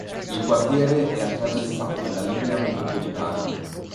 Il quartiere è attraversato dalla linea metropolitana.